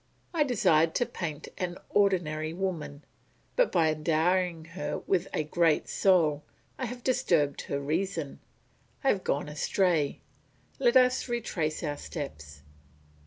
I desired to paint an ordinary woman, but by endowing her with a great soul, I have disturbed her reason. I have gone astray. Let us retrace our steps.